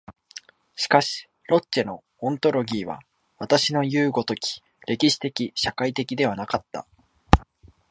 しかしロッチェのオントロギーは私のいう如き歴史的社会的ではなかった。